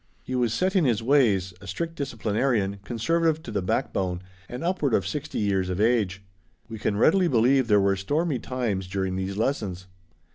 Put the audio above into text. He was set in his ways, a strict disciplinarian, conservative to the backbone, and upward of sixty years of age. We can readily believe there were stormy times during these lessons.